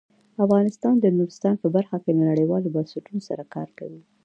افغانستان د نورستان په برخه کې له نړیوالو بنسټونو سره کار کوي.